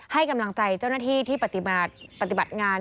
ให้กำลังใจเจ้าหน้าที่ที่ปฏิบัติงาน